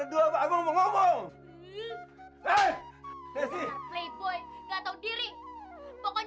playboy gak tau diri pokoknya besok ayo mau ngajuin cerai